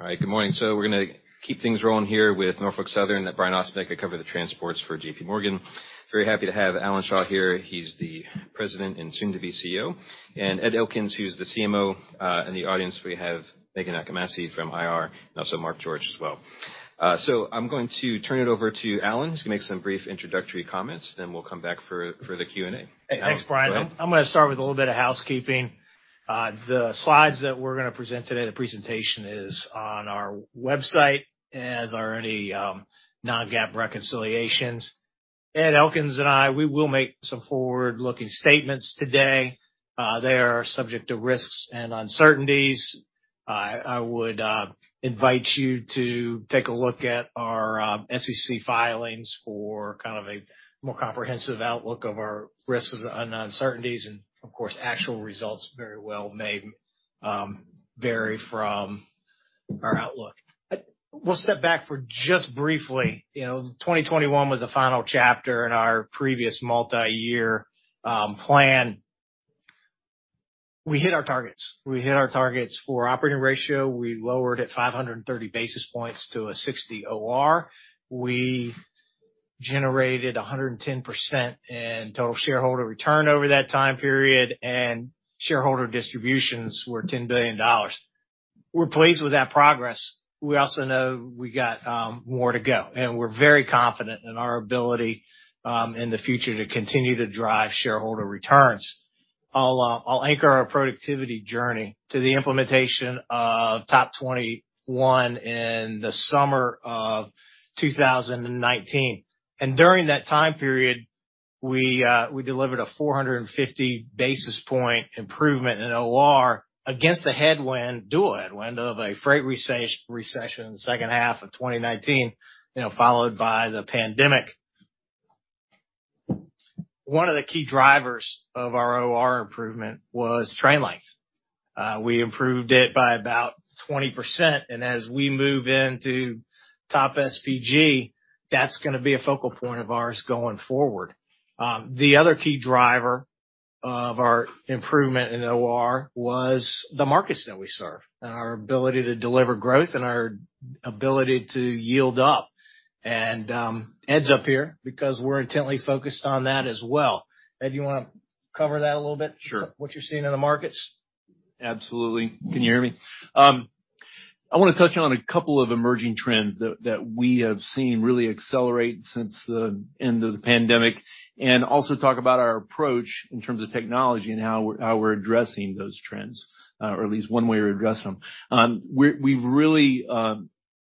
All right, good morning. We're going to keep things rolling here with Norfolk Southern. Brian Osbeck, I cover the transports for JPMorgan. Very happy to have Alan Shaw here. He's the President and soon-to-be CEO. And Ed Elkins, who's the CMO. In the audience, we have Meghan Achimasi from IR, and also Mark George as well. I'm going to turn it over to Alan. He's going to make some brief introductory comments, then we'll come back for the Q&A. Hey, thanks, Brian. I'm going to start with a little bit of housekeeping. The slides that we're going to present today, the presentation is on our website, as are any non-GAAP reconciliations. Ed Elkins and I, we will make some forward-looking statements today. They are subject to risks and uncertainties. I would invite you to take a look at our SEC filings for kind of a more comprehensive outlook of our risks and uncertainties. Of course, actual results very well may vary from our outlook. We'll step back for just briefly. 2021 was the final chapter in our previous multi-year plan. We hit our targets. We hit our targets for operating ratio. We lowered it 530 basis points to a 60 OR. We generated 110% in total shareholder return over that time period, and shareholder distributions were $10 billion. We're pleased with that progress. We also know we got more to go, and we're very confident in our ability in the future to continue to drive shareholder returns. I'll anchor our productivity journey to the implementation of Top 21 in the summer of 2019. During that time period, we delivered a 450 basis point improvement in OR against the headwind, dual headwind of a freight recession in the second half of 2019, followed by the pandemic. One of the key drivers of our OR improvement was train length. We improved it by about 20%. As we move into Top SPG, that's going to be a focal point of ours going forward. The other key driver of our improvement in OR was the markets that we serve and our ability to deliver growth and our ability to yield up. Ed's up here because we're intently focused on that as well. Ed, do you want to cover that a little bit? Sure. What are you seeing in the markets? Absolutely. Can you hear me? I want to touch on a couple of emerging trends that we have seen really accelerate since the end of the pandemic and also talk about our approach in terms of technology and how we're addressing those trends, or at least one way we're addressing them. We've really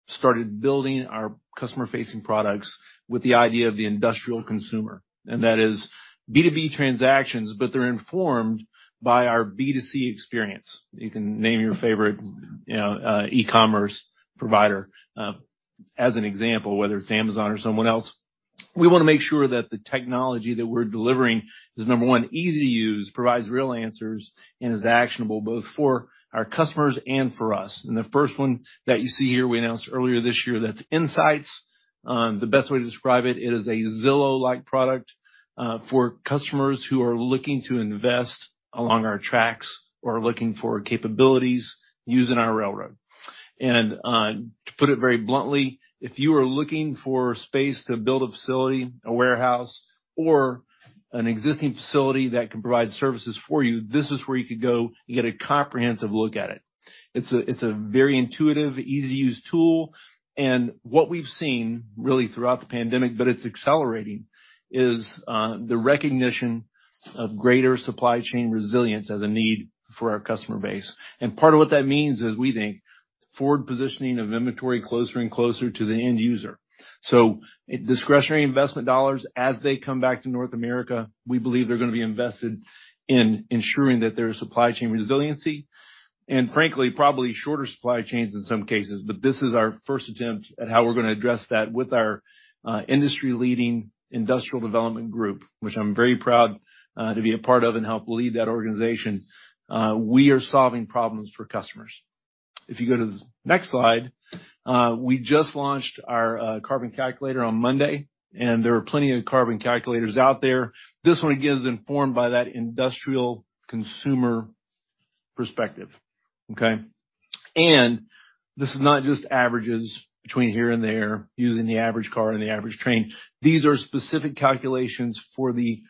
started building our customer-facing products with the idea of the industrial consumer. And that is B2B transactions, but they're informed by our B2C experience. You can name your favorite e-commerce provider as an example, whether it's Amazon or someone else. We want to make sure that the technology that we're delivering is, number one, easy to use, provides real answers, and is actionable both for our customers and for us. The first one that you see here, we announced earlier this year, that's Insights. The best way to describe it, it is a Zillow-like product for customers who are looking to invest along our tracks or looking for capabilities using our railroad. To put it very bluntly, if you are looking for space to build a facility, a warehouse, or an existing facility that can provide services for you, this is where you could go and get a comprehensive look at it. It's a very intuitive, easy-to-use tool. What we've seen really throughout the pandemic, but it's accelerating, is the recognition of greater supply chain resilience as a need for our customer base. Part of what that means is, we think, forward positioning of inventory closer and closer to the end user. Discretionary investment dollars, as they come back to North America, we believe they're going to be invested in ensuring that there is supply chain resiliency and, frankly, probably shorter supply chains in some cases. This is our first attempt at how we're going to address that with our industry-leading industrial development group, which I'm very proud to be a part of and help lead that organization. We are solving problems for customers. If you go to the next slide, we just launched our Carbon Calculator on Monday, and there are plenty of carbon calculators out there. This one again is informed by that industrial consumer perspective. Okay? This is not just averages between here and there using the average car and the average train. These are specific calculations for the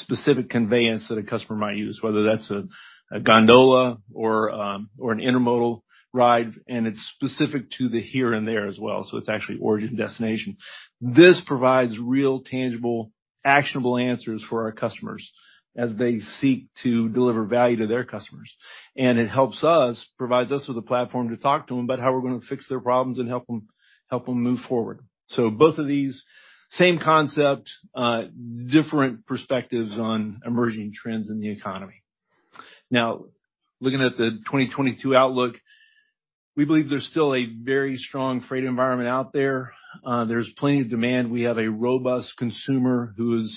specific conveyance that a customer might use, whether that's a gondola or an intermodal ride. It is specific to the here and there as well. It is actually origin destination. This provides real, tangible, actionable answers for our customers as they seek to deliver value to their customers. It helps us, provides us with a platform to talk to them about how we are going to fix their problems and help them move forward. Both of these, same concept, different perspectives on emerging trends in the economy. Now, looking at the 2022 outlook, we believe there is still a very strong freight environment out there. There is plenty of demand. We have a robust consumer who has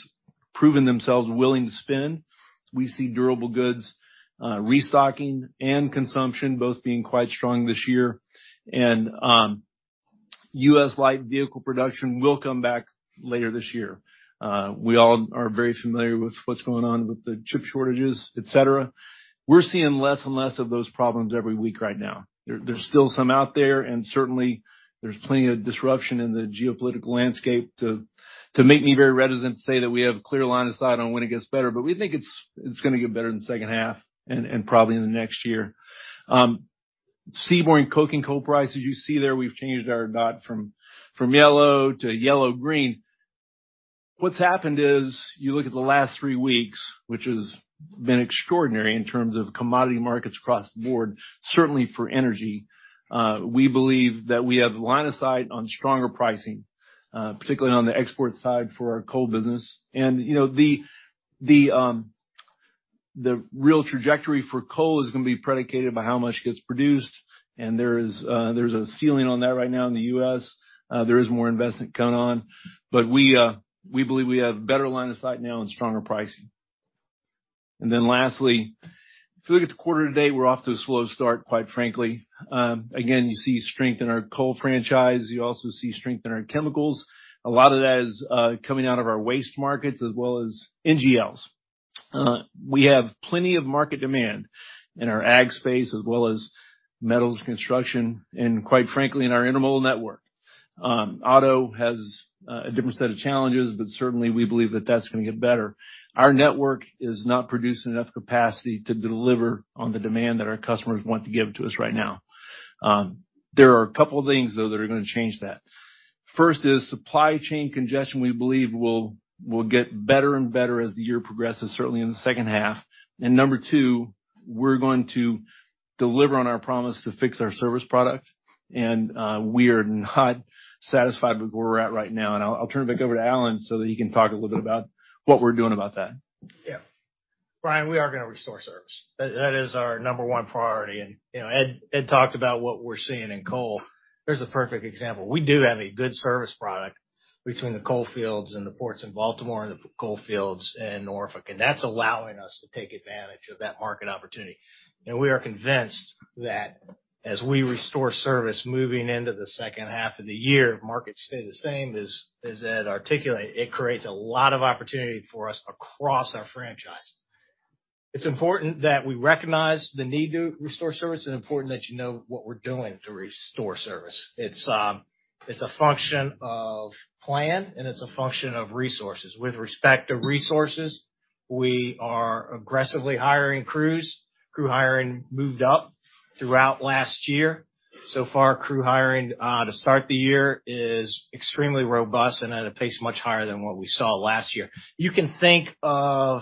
proven themselves willing to spend. We see durable goods, restocking, and consumption both being quite strong this year. U.S.-like vehicle production will come back later this year. We all are very familiar with what is going on with the chip shortages, etc. We're seeing less and less of those problems every week right now. There's still some out there, and certainly, there's plenty of disruption in the geopolitical landscape to make me very reticent to say that we have a clear line of sight on when it gets better. We think it's going to get better in the second half and probably in the next year. Seaborne coking coal prices, you see there, we've changed our dot from yellow to yellow-green. What's happened is you look at the last three weeks, which has been extraordinary in terms of commodity markets across the board, certainly for energy. We believe that we have line of sight on stronger pricing, particularly on the export side for our coal business. The real trajectory for coal is going to be predicated by how much gets produced. There is a ceiling on that right now in the U.S. There is more investment going on. We believe we have better line of sight now and stronger pricing. Lastly, if you look at the quarter today, we're off to a slow start, quite frankly. You see strength in our coal franchise. You also see strength in our chemicals. A lot of that is coming out of our waste markets as well as NGLs. We have plenty of market demand in our ag space as well as metals construction and, quite frankly, in our intermodal network. Auto has a different set of challenges, but certainly, we believe that is going to get better. Our network is not producing enough capacity to deliver on the demand that our customers want to give to us right now. There are a couple of things, though, that are going to change that. First is supply chain congestion. We believe will get better and better as the year progresses, certainly in the second half. Number two, we're going to deliver on our promise to fix our service product. We are not satisfied with where we're at right now. I'll turn it back over to Alan so that he can talk a little bit about what we're doing about that. Yeah. Brian, we are going to restore service. That is our number one priority. Ed talked about what we're seeing in coal. There's a perfect example. We do have a good service product between the coal fields and the ports in Baltimore and the coal fields in Norfolk. That is allowing us to take advantage of that market opportunity. We are convinced that as we restore service moving into the second half of the year, markets stay the same as Ed articulated. It creates a lot of opportunity for us across our franchise. It's important that we recognize the need to restore service. It's important that you know what we're doing to restore service. It's a function of plan, and it's a function of resources. With respect to resources, we are aggressively hiring crews. Crew hiring moved up throughout last year. Crew hiring to start the year is extremely robust and at a pace much higher than what we saw last year. You can think of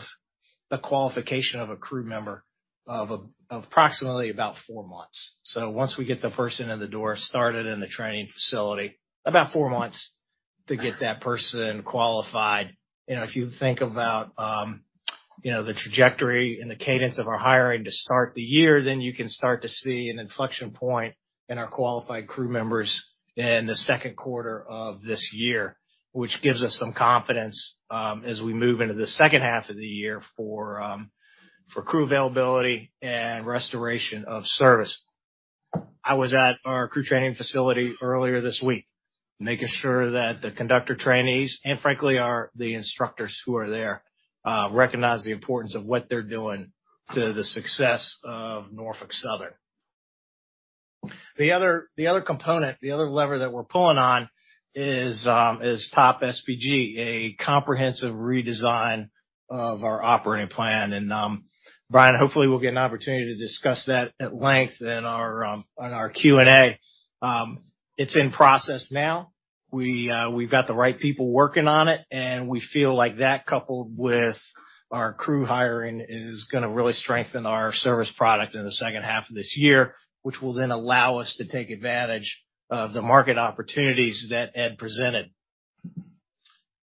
the qualification of a crew member as approximately about four months. Once we get the person in the door, started in the training facility, it is about four months to get that person qualified. If you think about the trajectory and the cadence of our hiring to start the year, you can start to see an inflection point in our qualified crew members in the second quarter of this year, which gives us some confidence as we move into the second half of the year for crew availability and restoration of service. I was at our crew training facility earlier this week, making sure that the conductor trainees and, frankly, the instructors who are there recognize the importance of what they're doing to the success of Norfolk Southern. The other component, the other lever that we're pulling on is Top SPG, a comprehensive redesign of our operating plan. Brian, hopefully, we'll get an opportunity to discuss that at length in our Q&A. It's in process now. We've got the right people working on it. We feel like that, coupled with our crew hiring, is going to really strengthen our service product in the second half of this year, which will then allow us to take advantage of the market opportunities that Ed presented.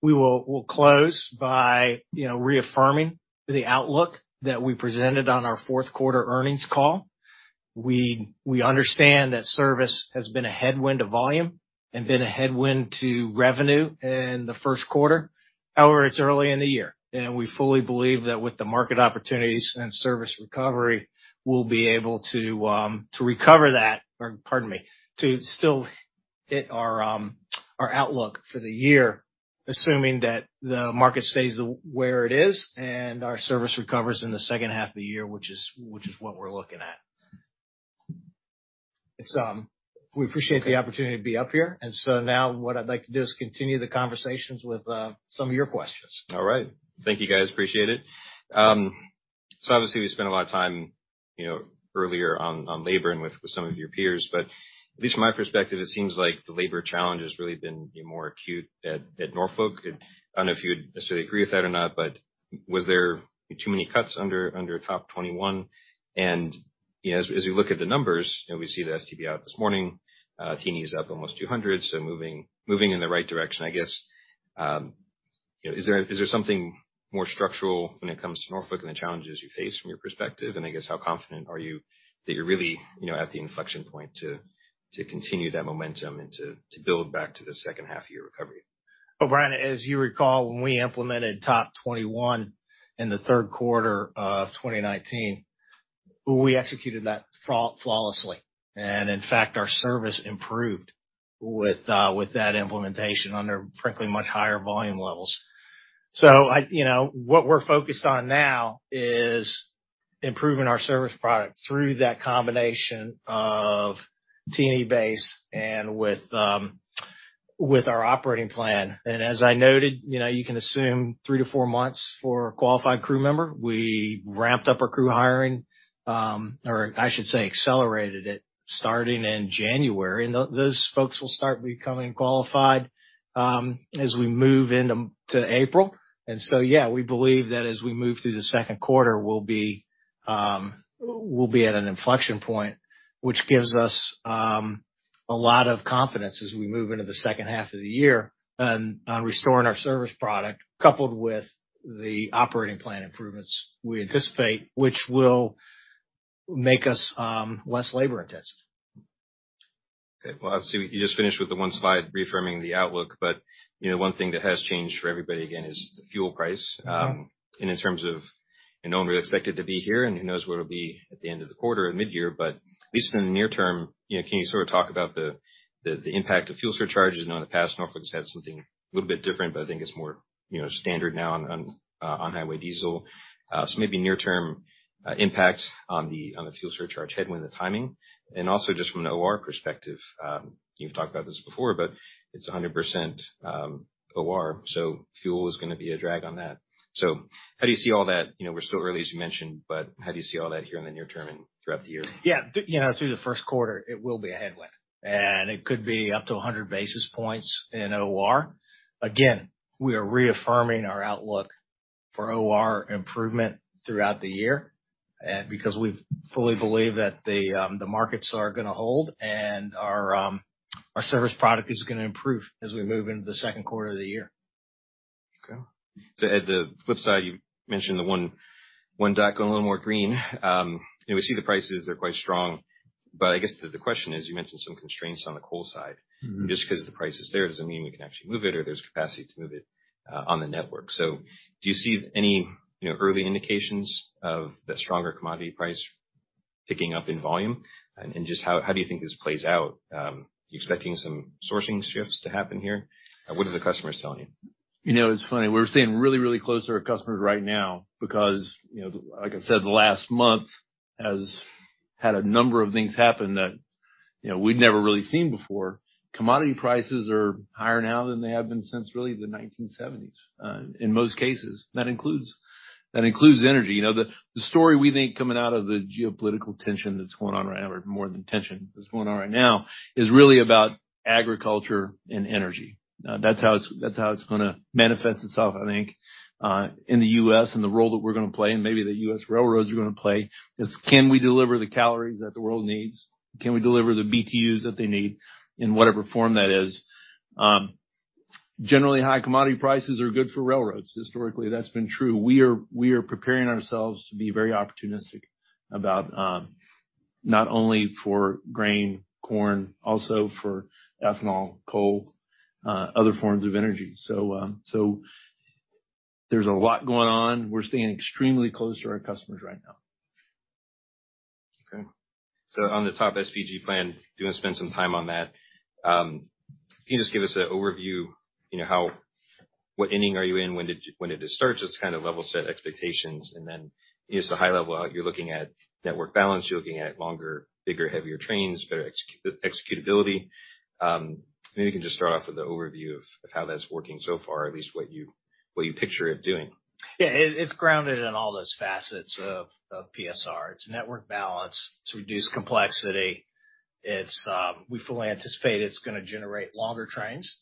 We will close by reaffirming the outlook that we presented on our fourth quarter earnings call. We understand that service has been a headwind to volume and been a headwind to revenue in the first quarter. However, it's early in the year. We fully believe that with the market opportunities and service recovery, we'll be able to recover that, or pardon me, to still hit our outlook for the year, assuming that the market stays where it is and our service recovers in the second half of the year, which is what we're looking at. We appreciate the opportunity to be up here. What I'd like to do is continue the conversations with some of your questions. All right. Thank you, guys. Appreciate it. Obviously, we spent a lot of time earlier on labor and with some of your peers. At least from my perspective, it seems like the labor challenge has really been more acute at Norfolk. I do not know if you would necessarily agree with that or not, but was there too many cuts under Top 21? As you look at the numbers, we see the STB out this morning. Teenie is up almost 200, so moving in the right direction, I guess. Is there something more structural when it comes to Norfolk and the challenges you face from your perspective? I guess how confident are you that you are really at the inflection point to continue that momentum and to build back to the second half of your recovery? Brian, as you recall, when we implemented Top 21 in the third quarter of 2019, we executed that flawlessly. In fact, our service improved with that implementation under, frankly, much higher volume levels. What we're focused on now is improving our service product through that combination of Teenie base and with our operating plan. As I noted, you can assume three to four months for a qualified crew member. We ramped up our crew hiring, or I should say accelerated it, starting in January. Those folks will start becoming qualified as we move into April. Yeah, we believe that as we move through the second quarter, we'll be at an inflection point, which gives us a lot of confidence as we move into the second half of the year on restoring our service product, coupled with the operating plan improvements we anticipate, which will make us less labor-intensive. Okay. Obviously, you just finished with the one slide reaffirming the outlook. One thing that has changed for everybody, again, is the fuel price. In terms of, you know, we expect it to be here, and who knows where it'll be at the end of the quarter or mid-year. At least in the near term, can you sort of talk about the impact of fuel surcharges? I know in the past, Norfolk Southern has had something a little bit different, but I think it's more standard now on highway diesel. Maybe near-term impact on the fuel surcharge headwind, the timing. Also, just from an OR perspective, you've talked about this before, but it's 100% OR. Fuel is going to be a drag on that. How do you see all that? We're still early, as you mentioned, but how do you see all that here in the near term and throughout the year? Yeah. Through the first quarter, it will be a headwind. It could be up to 100 basis points in OR. Again, we are reaffirming our outlook for OR improvement throughout the year because we fully believe that the markets are going to hold and our service product is going to improve as we move into the second quarter of the year. Okay. Ed, the flip side, you mentioned the one dot going a little more green. We see the prices. They're quite strong. I guess the question is, you mentioned some constraints on the coal side. Just because the price is there does not mean we can actually move it or there is capacity to move it on the network. Do you see any early indications of the stronger commodity price picking up in volume? How do you think this plays out? You're expecting some sourcing shifts to happen here. What are the customers telling you? It's funny. We're staying really, really close to our customers right now because, like I said, the last month has had a number of things happen that we'd never really seen before. Commodity prices are higher now than they have been since really the 1970s in most cases. That includes energy. The story we think coming out of the geopolitical tension that's going on right now, or more than tension that's going on right now, is really about agriculture and energy. That's how it's going to manifest itself, I think, in the U.S. and the role that we're going to play and maybe the U.S. railroads are going to play. It's can we deliver the calories that the world needs? Can we deliver the BTUs that they need in whatever form that is? Generally, high commodity prices are good for railroads. Historically, that's been true. We are preparing ourselves to be very opportunistic about not only for grain, corn, also for ethanol, coal, other forms of energy. There is a lot going on. We are staying extremely close to our customers right now. Okay. On the Top SPG plan, going to spend some time on that, can you just give us an overview? What ending are you in? When did it start? Just kind of level set expectations. Just a high level, you're looking at network balance. You're looking at longer, bigger, heavier trains, better executability. Maybe you can just start off with an overview of how that's working so far, at least what you picture it doing. Yeah. It's grounded in all those facets of PSR. It's network balance. It's reduced complexity. We fully anticipate it's going to generate longer trains,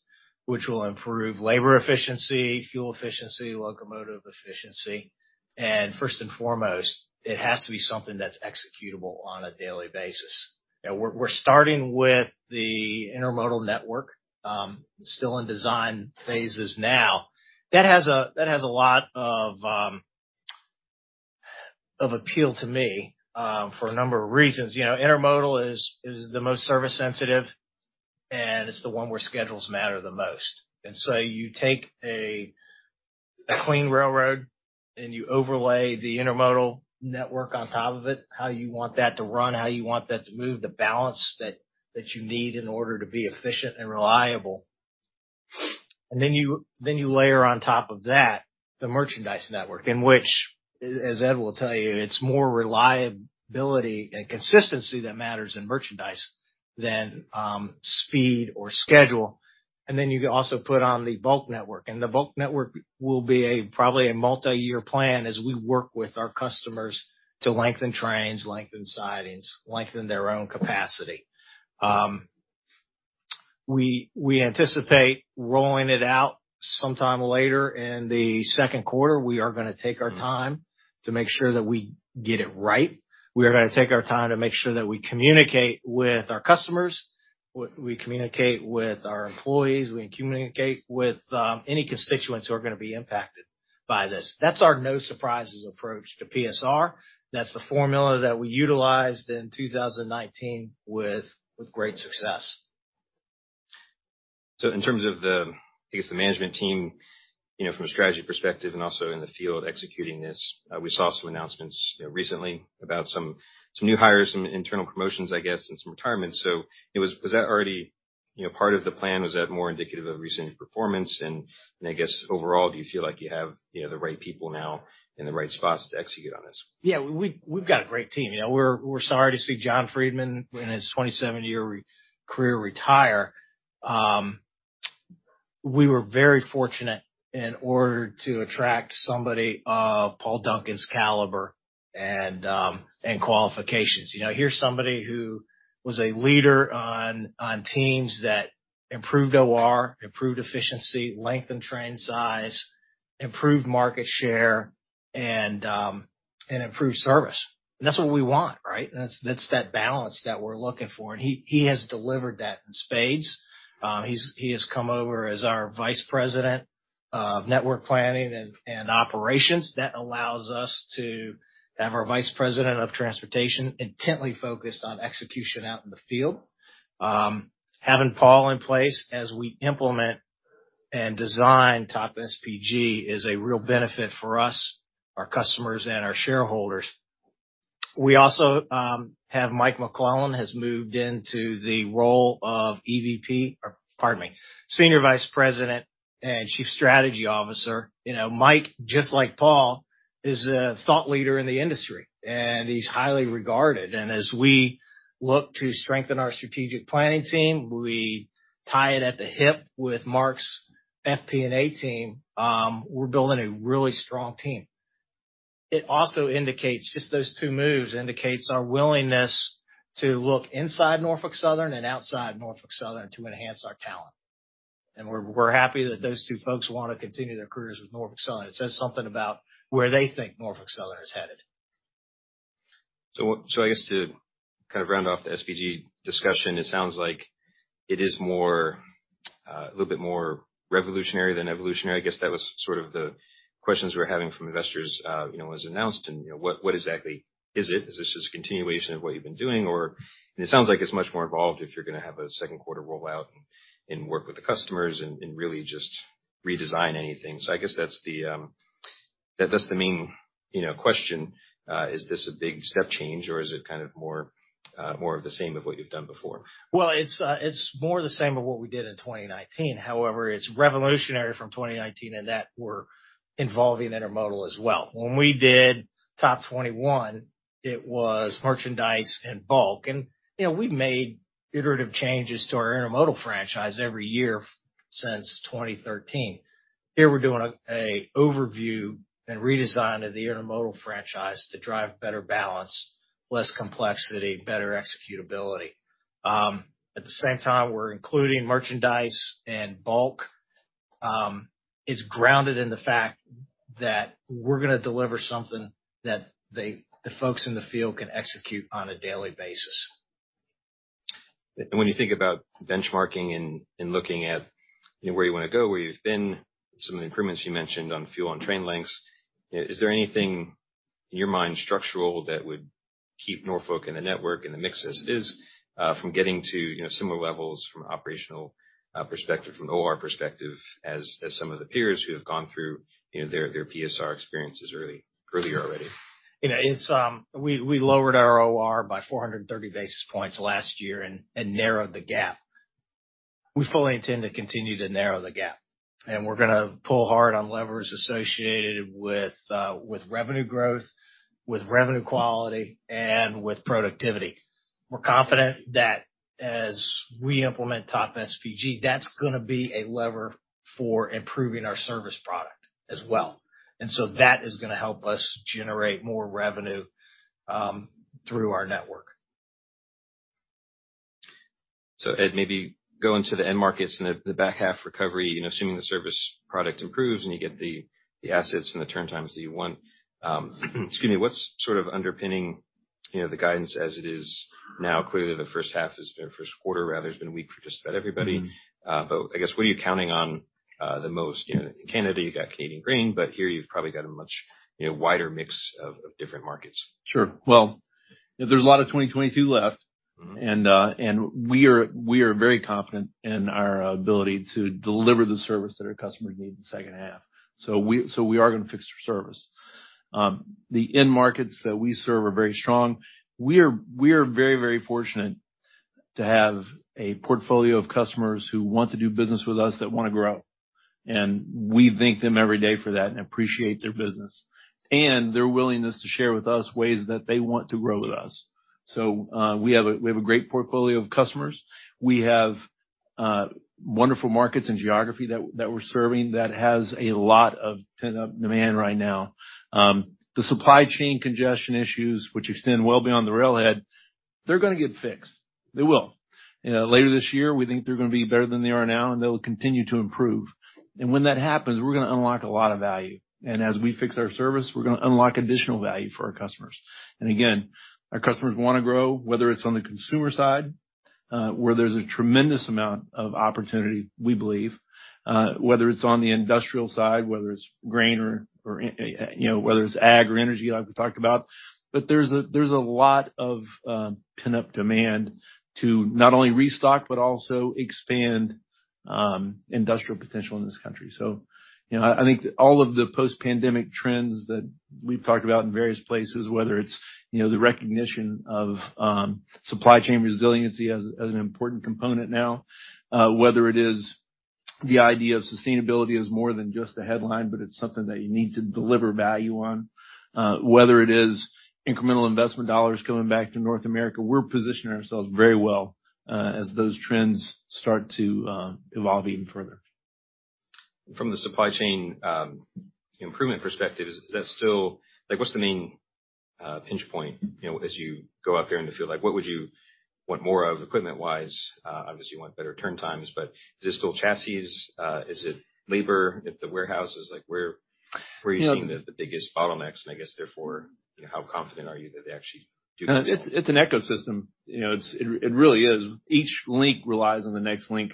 which will improve labor efficiency, fuel efficiency, locomotive efficiency. First and foremost, it has to be something that's executable on a daily basis. We're starting with the intermodal network. It's still in design phases now. That has a lot of appeal to me for a number of reasons. Intermodal is the most service-sensitive, and it's the one where schedules matter the most. You take a clean railroad and you overlay the intermodal network on top of it, how you want that to run, how you want that to move, the balance that you need in order to be efficient and reliable. You layer on top of that the merchandise network, in which, as Ed will tell you, it's more reliability and consistency that matters in merchandise than speed or schedule. You can also put on the bulk network. The bulk network will be probably a multi-year plan as we work with our customers to lengthen trains, lengthen sidings, lengthen their own capacity. We anticipate rolling it out sometime later in the second quarter. We are going to take our time to make sure that we get it right. We are going to take our time to make sure that we communicate with our customers. We communicate with our employees. We communicate with any constituents who are going to be impacted by this. That's our no-surprises approach to PSR. That's the formula that we utilized in 2019 with great success. In terms of, I guess, the management team from a strategy perspective and also in the field executing this, we saw some announcements recently about some new hires, some internal promotions, I guess, and some retirements. Was that already part of the plan? Was that more indicative of recent performance? I guess overall, do you feel like you have the right people now in the right spots to execute on this? Yeah. We've got a great team. We're sorry to see John Friedman in his 27-year career retire. We were very fortunate in order to attract somebody of Paul Duncan's caliber and qualifications. Here's somebody who was a leader on teams that improved OR, improved efficiency, lengthened train size, improved market share, and improved service. That is what we want, right? That is that balance that we're looking for. He has delivered that in spades. He has come over as our Vice President of Network Planning and Operations. That allows us to have our Vice President of Transportation intently focused on execution out in the field. Having Paul in place as we implement and design Top SPG is a real benefit for us, our customers, and our shareholders. We also have Mike McClellan has moved into the role of Senior Vice President and Chief Strategy Officer. Mike, just like Paul, is a thought leader in the industry, and he's highly regarded. As we look to strengthen our strategic planning team, we tie it at the hip with Mark's FP&A team. We're building a really strong team. It also indicates just those two moves indicate our willingness to look inside Norfolk Southern and outside Norfolk Southern to enhance our talent. We're happy that those two folks want to continue their careers with Norfolk Southern. It says something about where they think Norfolk Southern is headed. I guess to kind of round off the SPG discussion, it sounds like it is a little bit more revolutionary than evolutionary. I guess that was sort of the questions we were having from investors as announced. What exactly is it? Is this just a continuation of what you've been doing? It sounds like it's much more involved if you're going to have a second quarter rollout and work with the customers and really just redesign anything. I guess that's the main question. Is this a big step change, or is it kind of more of the same of what you've done before? It is more the same of what we did in 2019. However, it is revolutionary from 2019 in that we are involving intermodal as well. When we did Top 21, it was merchandise and bulk. We have made iterative changes to our intermodal franchise every year since 2013. Here we are doing an overview and redesign of the intermodal franchise to drive better balance, less complexity, better executability. At the same time, we are including merchandise and bulk. It is grounded in the fact that we are going to deliver something that the folks in the field can execute on a daily basis. When you think about benchmarking and looking at where you want to go, where you've been, some of the improvements you mentioned on fuel and train lengths, is there anything in your mind structural that would keep Norfolk and the network and the mix as it is from getting to similar levels from an operational perspective, from an OR perspective, as some of the peers who have gone through their PSR experiences earlier already? We lowered our OR by 430 basis points last year and narrowed the gap. We fully intend to continue to narrow the gap. We are going to pull hard on levers associated with revenue growth, with revenue quality, and with productivity. We are confident that as we implement Top SPG, that is going to be a lever for improving our service product as well. That is going to help us generate more revenue through our network. Ed, maybe go into the end markets and the back half recovery, assuming the service product improves and you get the assets and the turn times that you want. Excuse me, what's sort of underpinning the guidance as it is now? Clearly, the first quarter has been a week for just about everybody. I guess, what are you counting on the most? In Canada, you've got Canadian Green, but here you've probably got a much wider mix of different markets. Sure. There is a lot of 2022 left, and we are very confident in our ability to deliver the service that our customers need in the second half. We are going to fix their service. The end markets that we serve are very strong. We are very, very fortunate to have a portfolio of customers who want to do business with us that want to grow. We thank them every day for that and appreciate their business and their willingness to share with us ways that they want to grow with us. We have a great portfolio of customers. We have wonderful markets and geography that we are serving that has a lot of demand right now. The supply chain congestion issues, which extend well beyond the railhead, are going to get fixed. They will. Later this year, we think they're going to be better than they are now, and they'll continue to improve. When that happens, we're going to unlock a lot of value. As we fix our service, we're going to unlock additional value for our customers. Our customers want to grow, whether it's on the consumer side, where there's a tremendous amount of opportunity, we believe, whether it's on the industrial side, whether it's grain or whether it's ag or energy, like we talked about. There's a lot of pin-up demand to not only restock but also expand industrial potential in this country. I think all of the post-pandemic trends that we've talked about in various places, whether it's the recognition of supply chain resiliency as an important component now, whether it is the idea of sustainability as more than just a headline, but it's something that you need to deliver value on, whether it is incremental investment dollars coming back to North America, we're positioning ourselves very well as those trends start to evolve even further. From the supply chain improvement perspective, is that still what's the main pinch point as you go out there in the field? What would you want more of equipment-wise? Obviously, you want better turn times, but is it still chassis? Is it labor at the warehouses? Where are you seeing the biggest bottlenecks? I guess, therefore, how confident are you that they actually do this? It's an ecosystem. It really is. Each link relies on the next link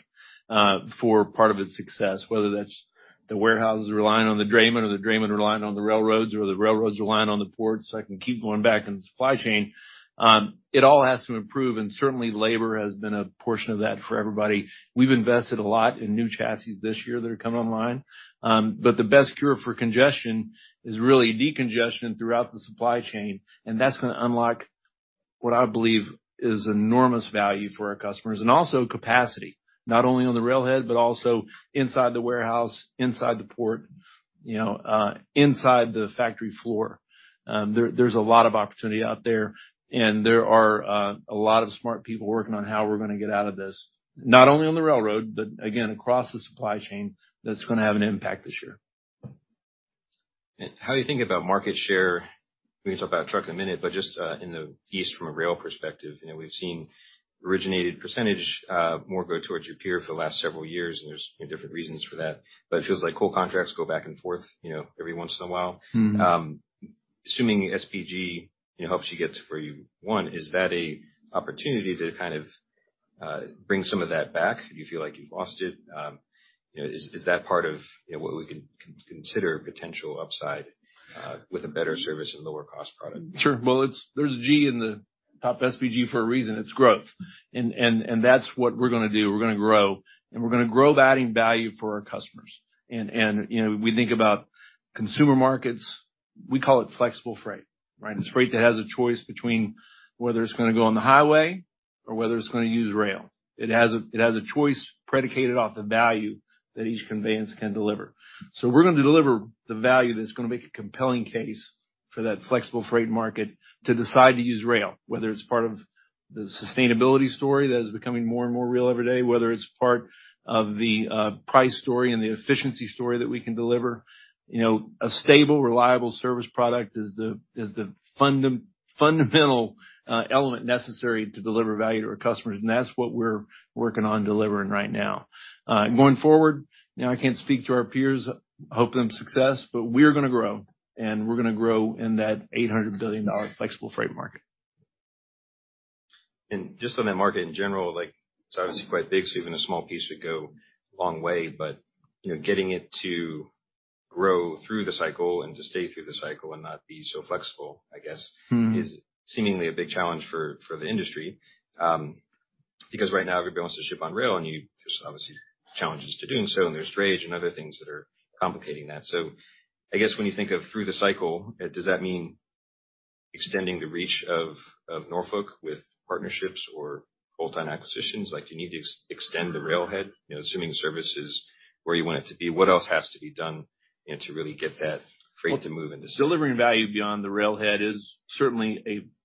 for part of its success, whether that's the warehouses relying on the draymen or the draymen relying on the railroads or the railroads relying on the ports. I can keep going back in the supply chain. It all has to improve, and certainly labor has been a portion of that for everybody. We've invested a lot in new chassis this year that are coming online. The best cure for congestion is really decongestion throughout the supply chain. That's going to unlock what I believe is enormous value for our customers and also capacity, not only on the railhead, but also inside the warehouse, inside the port, inside the factory floor. There's a lot of opportunity out there, and there are a lot of smart people working on how we're going to get out of this, not only on the railroad, but again, across the supply chain that's going to have an impact this year. How do you think about market share? We can talk about a truck in a minute, but just in the East from a rail perspective, we've seen originated percentage more go towards your peer for the last several years, and there's different reasons for that. It feels like coal contracts go back and forth every once in a while. Assuming SPG helps you get to where you want, is that an opportunity to kind of bring some of that back? Do you feel like you've lost it? Is that part of what we can consider potential upside with a better service and lower-cost product? Sure. There is a G in the Top SPG for a reason. It is growth. That is what we are going to do. We are going to grow, and we are going to grow by adding value for our customers. We think about consumer markets. We call it flexible freight, right? It is freight that has a choice between whether it is going to go on the highway or whether it is going to use rail. It has a choice predicated off the value that each conveyance can deliver. We are going to deliver the value that is going to make a compelling case for that flexible freight market to decide to use rail, whether it is part of the sustainability story that is becoming more and more real every day, whether it is part of the price story and the efficiency story that we can deliver. A stable, reliable service product is the fundamental element necessary to deliver value to our customers. That is what we are working on delivering right now. Going forward, I cannot speak to our peers, hope them success, but we are going to grow, and we are going to grow in that $800 billion flexible freight market. Just on that market in general, it's obviously quite big, so even a small piece would go a long way. Getting it to grow through the cycle and to stay through the cycle and not be so flexible, I guess, is seemingly a big challenge for the industry because right now, everybody wants to ship on rail, and there's obviously challenges to doing so, and there's drayage and other things that are complicating that. I guess when you think of through the cycle, does that mean extending the reach of Norfolk Southern with partnerships or full-time acquisitions? Do you need to extend the railhead, assuming service is where you want it to be? What else has to be done to really get that freight to move into? Delivering value beyond the railhead is certainly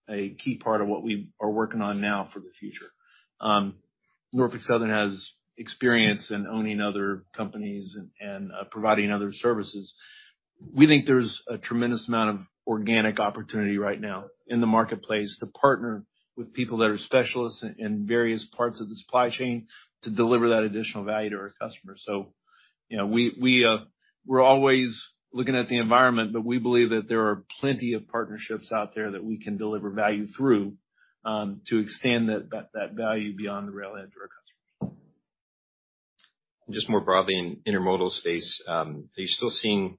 a key part of what we are working on now for the future. Norfolk Southern has experience in owning other companies and providing other services. We think there's a tremendous amount of organic opportunity right now in the marketplace to partner with people that are specialists in various parts of the supply chain to deliver that additional value to our customers. We are always looking at the environment, but we believe that there are plenty of partnerships out there that we can deliver value through to extend that value beyond the railhead to our customers. Just more broadly, in intermodal space, are you still seeing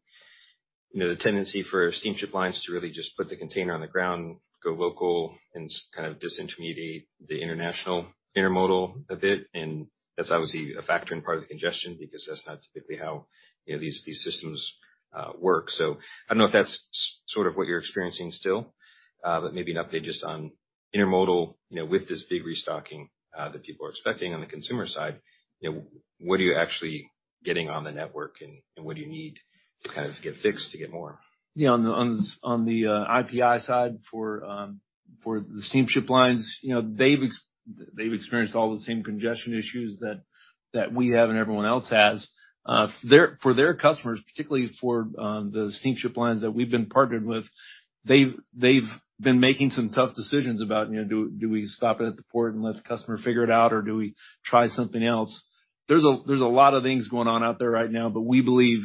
the tendency for steamship lines to really just put the container on the ground, go local, and kind of disintermediate the international intermodal a bit? That is obviously a factor and part of the congestion because that is not typically how these systems work. I do not know if that is sort of what you are experiencing still, but maybe an update just on intermodal with this big restocking that people are expecting on the consumer side. What are you actually getting on the network, and what do you need to kind of get fixed to get more? Yeah. On the IPI side for the steamship lines, they've experienced all the same congestion issues that we have and everyone else has. For their customers, particularly for the steamship lines that we've been partnered with, they've been making some tough decisions about, do we stop it at the port and let the customer figure it out, or do we try something else? There's a lot of things going on out there right now, but we believe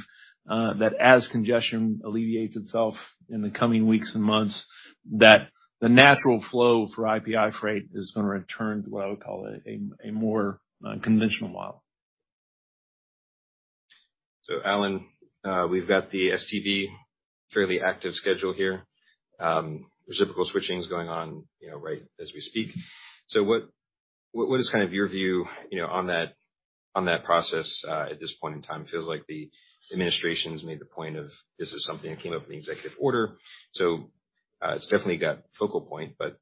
that as congestion alleviates itself in the coming weeks and months, that the natural flow for IPI freight is going to return to what I would call a more conventional model. Alan, we've got the STB fairly active schedule here. Reciprocal switching is going on right as we speak. What is kind of your view on that process at this point in time? It feels like the administration has made the point of this is something that came up in the executive order. It's definitely got focal point, but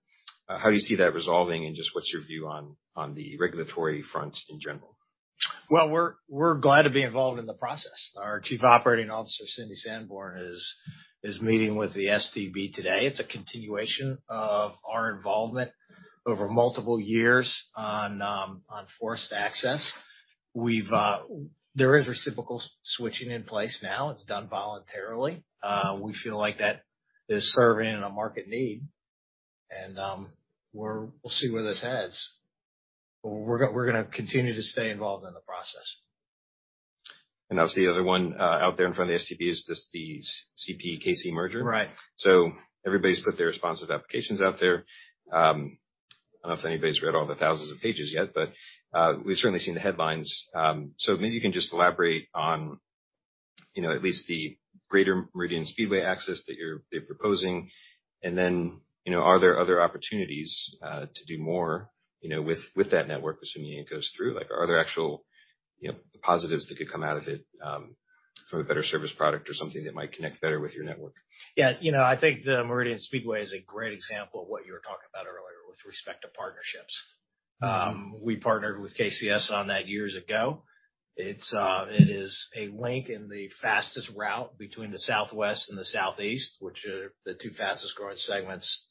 how do you see that resolving and just what's your view on the regulatory front in general? We're glad to be involved in the process. Our Chief Operating Officer, Cindy Sanborn, is meeting with the STB today. It's a continuation of our involvement over multiple years on forced access. There is reciprocal switching in place now. It's done voluntarily. We feel like that is serving a market need, and we'll see where this heads. We're going to continue to stay involved in the process. Obviously, the other one out there in front of the STB is just the CP-KC merger. Everybody's put their responsive applications out there. I do not know if anybody's read all the thousands of pages yet, but we've certainly seen the headlines. Maybe you can just elaborate on at least the greater Meridian Speedway access that you're proposing. Are there other opportunities to do more with that network, assuming it goes through? Are there actual positives that could come out of it for a better service product or something that might connect better with your network? Yeah. I think the Meridian Speedway is a great example of what you were talking about earlier with respect to partnerships. We partnered with KCS on that years ago. It is a link in the fastest route between the Southwest and the Southeast, which are the two fastest growing segments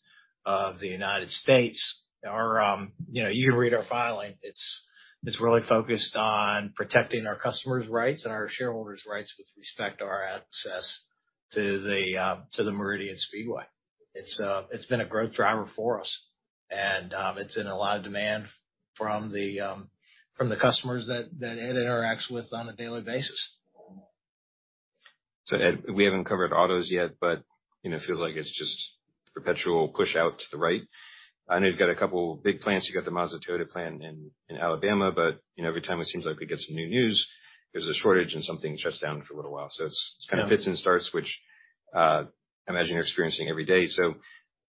of the United States. You can read our filing. It's really focused on protecting our customers' rights and our shareholders' rights with respect to our access to the Meridian Speedway. It's been a growth driver for us, and it's in a lot of demand from the customers that it interacts with on a daily basis. Ed, we have not covered autos yet, but it feels like it is just perpetual push out to the right. I know you have got a couple of big plans. You have got the Mazda-Toyota plant in Alabama, but every time it seems like we get some new news, there is a shortage and something shuts down for a little while. It is kind of fits and starts, which I imagine you are experiencing every day.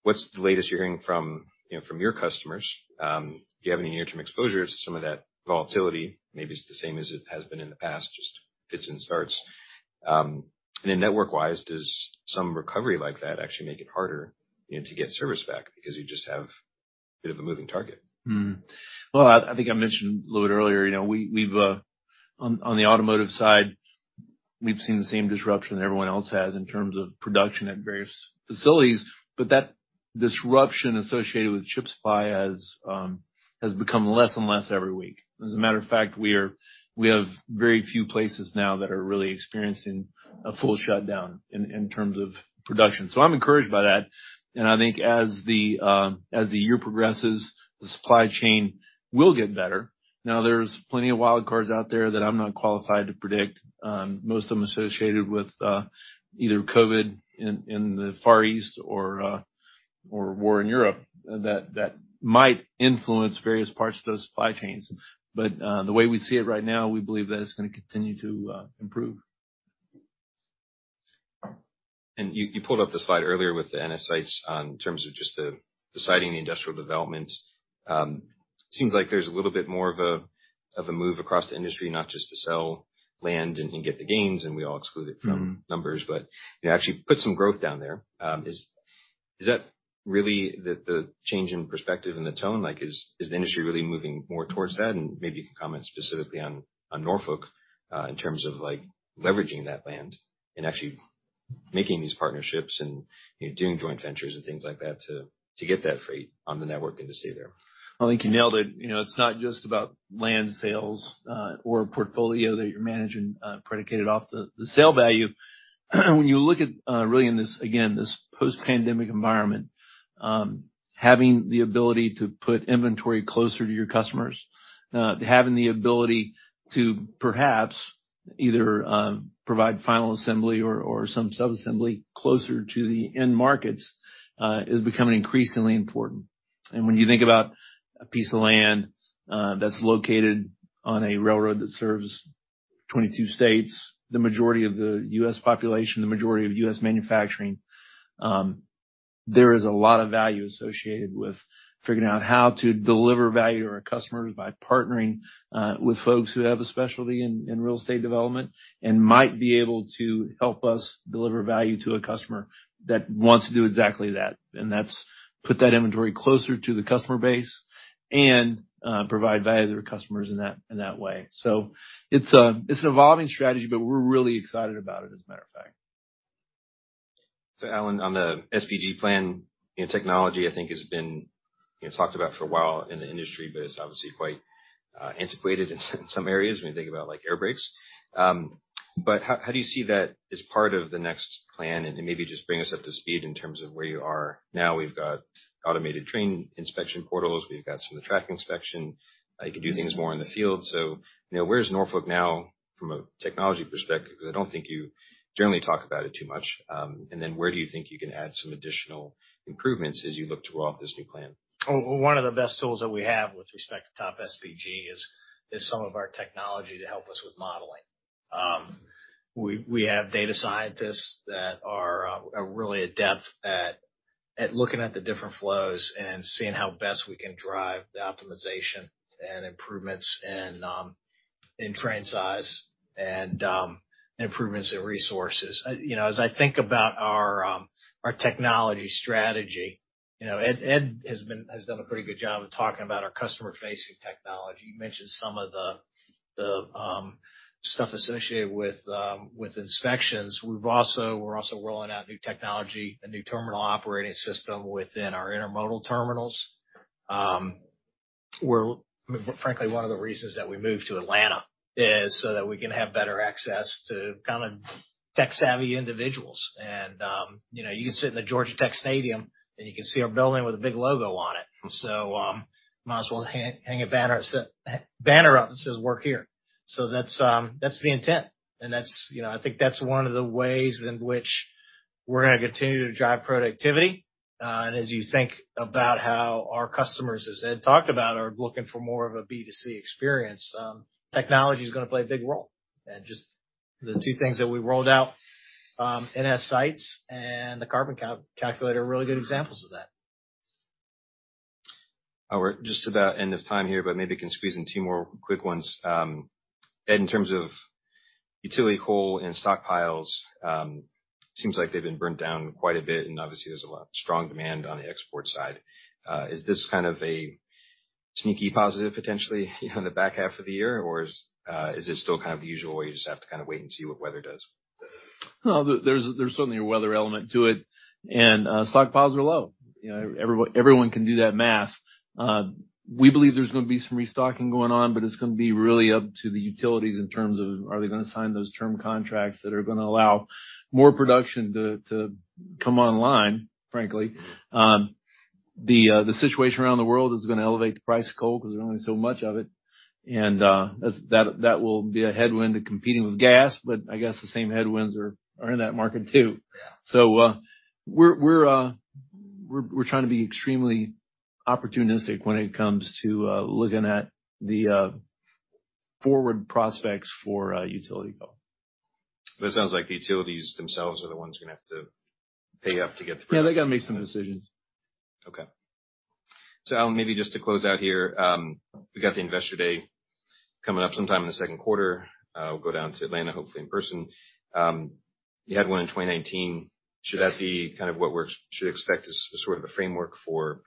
What is the latest you are hearing from your customers? Do you have any near-term exposure to some of that volatility? Maybe it is the same as it has been in the past, just fits and starts. Network-wise, does some recovery like that actually make it harder to get service back because you just have a bit of a moving target? I think I mentioned a little bit earlier, on the automotive side, we've seen the same disruption that everyone else has in terms of production at various facilities, but that disruption associated with chip supply has become less and less every week. As a matter of fact, we have very few places now that are really experiencing a full shutdown in terms of production. I am encouraged by that. I think as the year progresses, the supply chain will get better. There are plenty of wild cards out there that I'm not qualified to predict. Most of them are associated with either COVID in the Far East or war in Europe that might influence various parts of those supply chains. The way we see it right now, we believe that it's going to continue to improve. You pulled up the slide earlier with the NS sites in terms of just deciding the industrial development. It seems like there's a little bit more of a move across the industry, not just to sell land and get the gains, and we all exclude it from numbers, but actually put some growth down there. Is that really the change in perspective and the tone? Is the industry really moving more towards that? Maybe you can comment specifically on Norfolk in terms of leveraging that land and actually making these partnerships and doing joint ventures and things like that to get that freight on the network and to stay there. I think you nailed it. It's not just about land sales or a portfolio that you're managing predicated off the sale value. When you look at, really, again, this post-pandemic environment, having the ability to put inventory closer to your customers, having the ability to perhaps either provide final assembly or some sub-assembly closer to the end markets is becoming increasingly important. When you think about a piece of land that's located on a railroad that serves 22 states, the majority of the U.S. population, the majority of U.S. manufacturing, there is a lot of value associated with figuring out how to deliver value to our customers by partnering with folks who have a specialty in real estate development and might be able to help us deliver value to a customer that wants to do exactly that. That has put that inventory closer to the customer base and provide value to their customers in that way. It is an evolving strategy, but we're really excited about it, as a matter of fact. Alan, on the SPG plan, technology, I think, has been talked about for a while in the industry, but it's obviously quite antiquated in some areas when you think about air brakes. How do you see that as part of the next plan? Maybe just bring us up to speed in terms of where you are now. We've got automated train inspection portals. We've got some of the track inspection. You can do things more in the field. Where's Norfolk Southern now from a technology perspective? I don't think you generally talk about it too much. Where do you think you can add some additional improvements as you look to roll out this new plan? One of the best tools that we have with respect to Top SPG is some of our technology to help us with modeling. We have data scientists that are really adept at looking at the different flows and seeing how best we can drive the optimization and improvements in train size and improvements in resources. As I think about our technology strategy, Ed has done a pretty good job of talking about our customer-facing technology. You mentioned some of the stuff associated with inspections. We're also rolling out new technology, a new terminal operating system within our intermodal terminals. Frankly, one of the reasons that we moved to Atlanta is so that we can have better access to kind of tech-savvy individuals. You can sit in the Georgia Tech Stadium, and you can see our building with a big logo on it. You might as well hang a banner up that says, "Work here." That is the intent. I think that is one of the ways in which we are going to continue to drive productivity. As you think about how our customers, as Ed talked about, are looking for more of a B2C experience, technology is going to play a big role. Just the two things that we rolled out, NS sites and the Carbon Calculator, are really good examples of that. We're just about end of time here, but maybe we can squeeze in two more quick ones. Ed, in terms of utility coal and stockpiles, it seems like they've been burned down quite a bit, and obviously, there's a strong demand on the export side. Is this kind of a sneaky positive, potentially, in the back half of the year, or is it still kind of the usual way? You just have to kind of wait and see what weather does? There's certainly a weather element to it, and stockpiles are low. Everyone can do that math. We believe there's going to be some restocking going on, but it's going to be really up to the utilities in terms of are they going to sign those term contracts that are going to allow more production to come online, frankly. The situation around the world is going to elevate the price of coal because there's only so much of it. That will be a headwind to competing with gas, I guess the same headwinds are in that market too. We are trying to be extremely opportunistic when it comes to looking at the forward prospects for utility coal. It sounds like the utilities themselves are the ones who are going to have to pay up to get the freight. Yeah, they got to make some decisions. Okay. Alan, maybe just to close out here, we've got the investor day coming up sometime in the second quarter. We'll go down to Atlanta, hopefully in person. You had one in 2019. Should that be kind of what we should expect as sort of a framework for,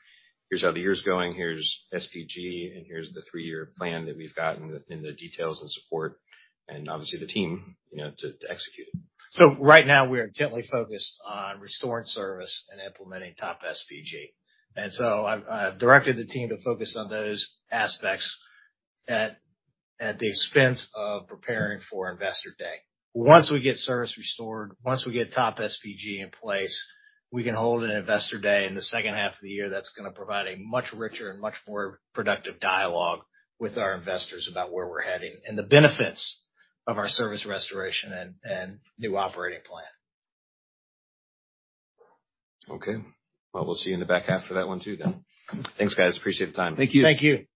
"Here's how the year's going, here's SPG, and here's the three-year plan that we've got in the details and support," and obviously the team to execute it? Right now, we are intently focused on restoring service and implementing Top SPG. I have directed the team to focus on those aspects at the expense of preparing for investor day. Once we get service restored, once we get Top SPG in place, we can hold an investor day in the second half of the year that is going to provide a much richer and much more productive dialogue with our investors about where we are heading and the benefits of our service restoration and new operating plan. Okay. We'll see you in the back half for that one too then. Thanks, guys. Appreciate the time. Thank you. Thank you.